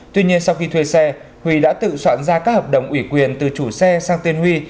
tuy nhiên sau khi thuê xe huy đã tự soạn ra các hợp đồng ủy quyền từ chủ xe sang tên huy